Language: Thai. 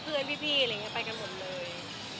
เพื่อนพี่อะไรอย่างนี้ไปกันหมดเลย